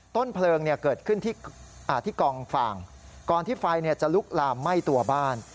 ต้นเพลิงเกิดขึ้นที่กองฟ่างก่อนที่ไฟจะลุกลามไหม้ตัวบ้าน